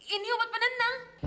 ini obat penenang